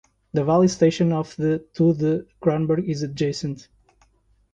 The valley station of the to the Kronberg is adjacent.